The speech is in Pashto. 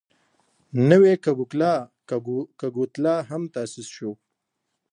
نوی کګوتلا هم تاسیس شو.